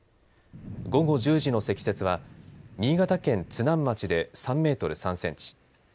午後１０時の積雪は新潟県津南町で３メートル３センチ。